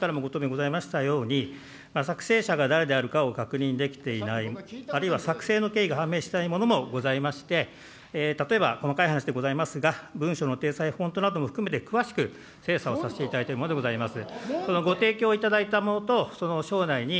ご指摘の小西議員からご提供いただきまして文書でございますけれども、先ほど松本大臣からご答弁ございましたように、作成者が誰であるかを確認できていない、あるいは作成の経緯が判明しないものもございまして、例えば細かい話でございますが、文書の体裁、フォントなども含めて、詳しく精査をさせていただいているものでございます。